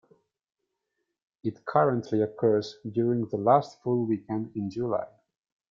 It currently occurs during the last full weekend in July.